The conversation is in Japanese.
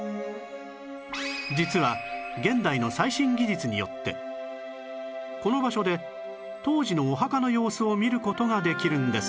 実は現代の最新技術によってこの場所で当時のお墓の様子を見る事ができるんです